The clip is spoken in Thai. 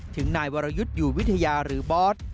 ถึงนายวรยุทธ์อยู่วิทยาหรือบอส